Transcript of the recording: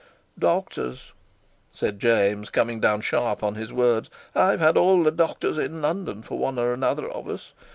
"Doctors!" said James, coming down sharp on his words: "I've had all the doctors in London for one or another of us.